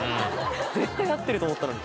絶対合ってると思ったのに。